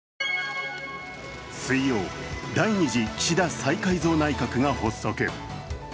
水曜、第２次岸田再改造内閣が発足。